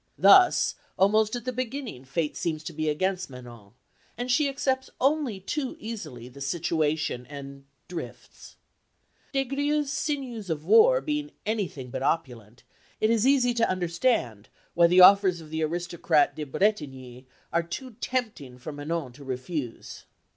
Thus almost at the beginning Fate seems to be against Manon, and she accepts only too easily the situation and drifts. Des Grieux's "sinews of war" being anything but opulent, it is easy to understand why the offers of the aristocrat De Bretigny are too tempting for Manon to refuse.